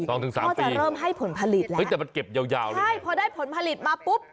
พอจะเริ่มให้ผลผลิตแล้วใช่พอได้ผลผลิตมาปุ๊บ